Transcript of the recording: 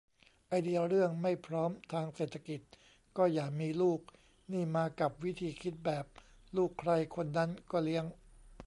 ไอเดียเรื่อง "ไม่พร้อมทางเศรษฐกิจก็อย่ามีลูก" นี่มากับวิธีคิดแบบ ลูกใครคนนั้นก็เลี้ยง